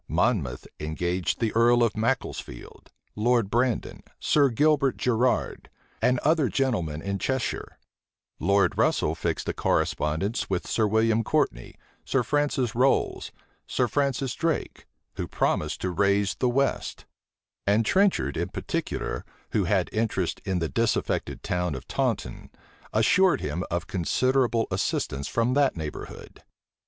Monmouth engaged the earl of Macclesfield, Lord Brandon, Sir Gilbert Gerrard, and other gentlemen in Cheshire; Lord Russel fixed a correspondence with Sir William Courtney, Sir Francis Rowles, Sir Francis Drake, who promised to raise the west; and Trenchard in particular, who had interest in the disaffected town of Taunton, assured him of considerable assistance from that neighborhood.